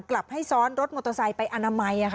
กลับให้ซ้อนรถมอเตอร์ไซค์ไปอนามัย